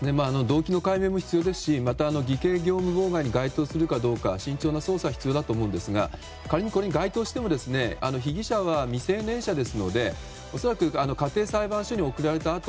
動機の解明も必要ですしまた、偽計業務妨害に該当するかどうか慎重な捜査が必要だと思いますが仮に、これに該当しても被疑者は未成年者ですので恐らく家庭裁判所に送られた